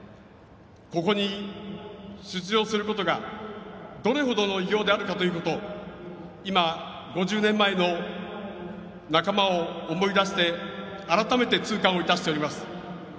ここに出場することがどれほどの偉業であるかということを今、５０年前の仲間を思い出して改めて痛感をいたしております。